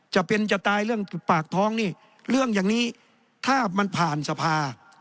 จะเป็นจะตายเรื่องปากท้องนี่เรื่องอย่างนี้ถ้ามันผ่านสภา